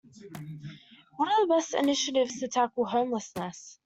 What are the best initiatives to tackle homelessness?